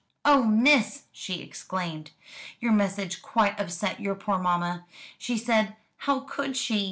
"Oh, miss!" she exclaimed, "your message quite upset your poor mamma. She said, 'How could she?'